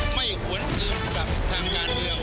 ไม่หวนอื่นกับทางด้านเดียว